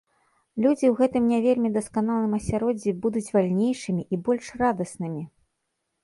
Людзі ў гэтым не вельмі дасканалым асяроддзі будуць вальнейшымі і больш радаснымі!